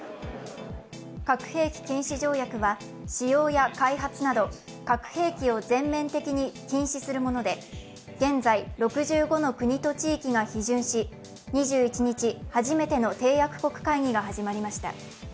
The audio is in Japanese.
核兵器禁止条約は使用や開発など核兵器を全面的に禁止するもので現在、６５の国と地域が批准し２１日、初めての締約国会議が始まりました。